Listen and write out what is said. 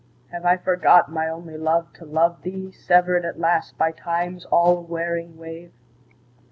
Have I forgot, my only love, to love thee, Severed at last by Time's all wearing wave?